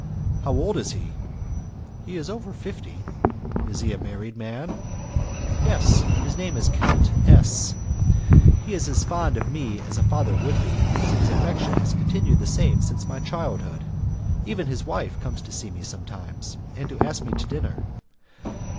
"How old is he?" "He is over fifty." "Is he a married man?" "Yes, his name is Count S . He is as fond of me as a father would be, and his affection has continued the same since my childhood. Even his wife comes to see me sometimes, and to ask me to dinner.